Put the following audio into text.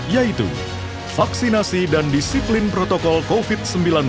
yaitu vaksinasi dan disiplin protokol covid sembilan belas